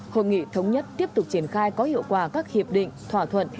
hội nghị thống nhất tiếp tục triển khai có hiệu quả các hiệp định thỏa thuận